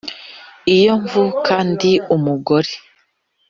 Iyo mvuka ndi umugore